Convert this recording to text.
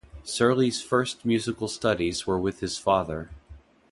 Serly's first musical studies were with his father.